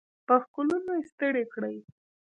په ښکلونو ستړي کړي